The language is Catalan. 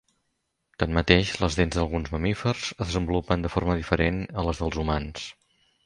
Tanmateix, les dents d'alguns mamífers es desenvolupen de forma diferent a les dels humans.